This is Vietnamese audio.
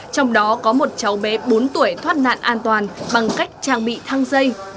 trong đó có một cháu bé bốn tuổi thoát nạn an toàn bằng cách trang bị thăng dây